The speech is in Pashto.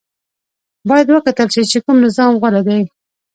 باید وکتل شي چې کوم نظام غوره دی.